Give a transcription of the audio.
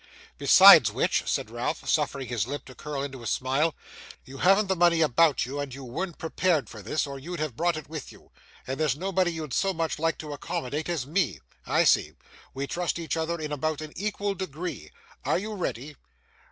'Besides which,' said Ralph, suffering his lip to curl into a smile, 'you haven't the money about you, and you weren't prepared for this, or you'd have brought it with you; and there's nobody you'd so much like to accommodate as me. I see. We trust each other in about an equal degree. Are you ready?